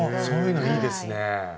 そういうのいいですね。